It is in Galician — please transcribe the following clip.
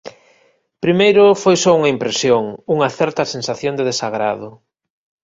Primeiro foi só unha impresión, unha certa sensación de desagrado.